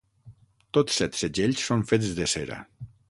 Tots set segells són fets de cera.